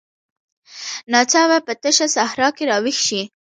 ناڅاپه په تشه صحرا کې راویښ شي.